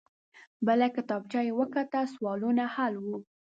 بله کتابچه يې وکته. سوالونه حل وو.